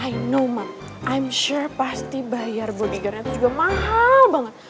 i know mam i'm sure pasti bayar bodyguardnya tuh juga mahal banget